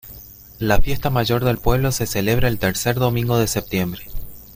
La fiesta mayor del pueblo se celebra el tercer domingo de septiembre.